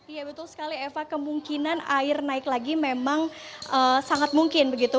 iya betul sekali eva kemungkinan air naik lagi memang sangat mungkin begitu